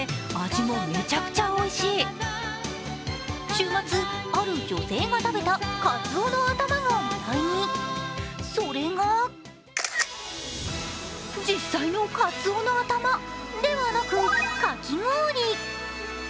週末、ある女性が食べたかつおのあたまが話題に、それが実際のかつおのあたまではなくかき氷。